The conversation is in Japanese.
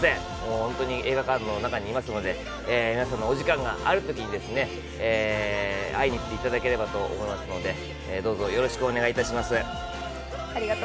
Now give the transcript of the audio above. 本当に映画館の中にいますので皆さんのお時間があるときに会いに行っていただければと思いますのでどうぞよろしくお願いいたします。